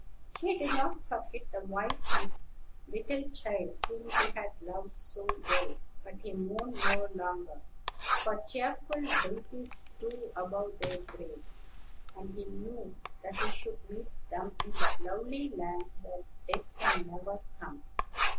He did not forget the wife and little child whom he had loved so well; but he mourned no longer, for cheerful daisies grew above their graves, and he knew that he should meet them in the lovely land where death can never come.